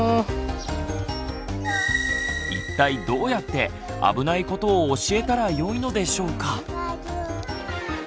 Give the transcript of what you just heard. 一体どうやって危ないことを教えたらよいのでしょうか？